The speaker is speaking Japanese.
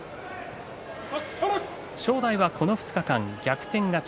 正代はこの２日間、逆転勝ち。